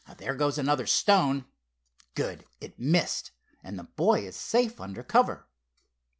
"There goes another stone. Good! it missed, and the boy is safe under cover."